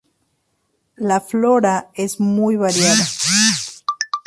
La flora es muy variada.